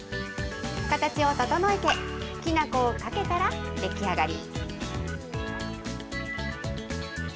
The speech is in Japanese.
形を整えて、きな粉をかけたら出来上がり。